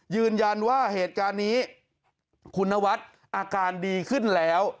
ยืนยันว่าเหตุการณ์นี้คุณนวัดอาการดีขึ้นแล้ว